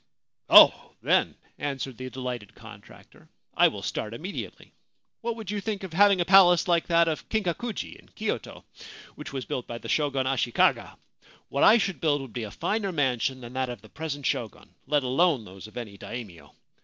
* Oh, then/ answered the delighted contractor, < I will start immediately. What would you think of having a 353 45 Ancient Tales and Folklore of Japan palace like that of Kiftkakuji in Kyoto, which was built by the Shogun Ashikaga ? What I should build would be a finer mansion than that of the present Shogun — let alone those of any Daimio.